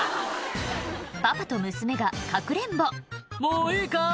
パパと娘がかくれんぼ「もういいかい？」